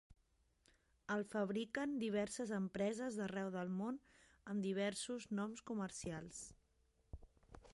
El fabriquen diverses empreses d'arreu del món amb diversos noms comercials.